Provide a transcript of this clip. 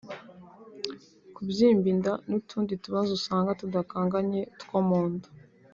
kubyimba inda n`utundi tubazo usanga tudakanganye two mu nda